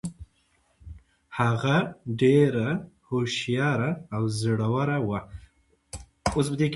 هغه ډیره هوښیاره او زړوره وه.